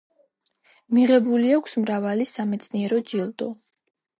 მიღებული აქვს მრავალი სამეცნიერო ჯილდო.